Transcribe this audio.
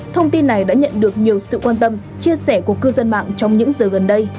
thông tin này đã nhận được nhiều sự quan tâm chia sẻ của cư dân mạng trong những giờ gần đây